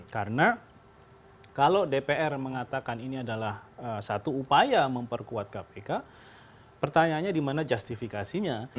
karena kalau dpr mengatakan ini adalah satu upaya memperkuat kpk pertanyaannya dimana justifikasinya